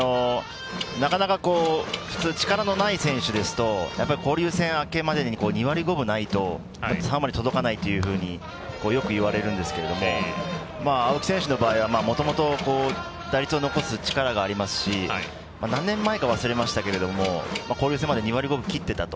なかなか普通力のない選手ですと交流戦明けまでに２割５分ないと３割届かないというふうによく言われるんですけど青木選手の場合はもともと打率を残す力もありますし何年前か忘れましたけど交流戦まで２割５分きってたと。